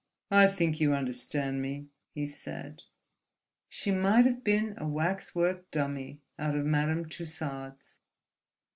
"I think you understand me," he said. She might have been a waxwork dummy out of Madame Tussaud's.